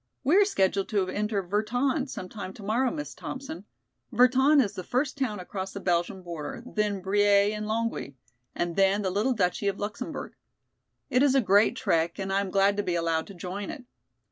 "We are scheduled to enter Virton some time tomorrow, Miss Thompson. Virton is the first town across the Belgian border, then Briey and Longwy and then the little Duchy of Luxemburg. It is a great trek and I am glad to be allowed to join it.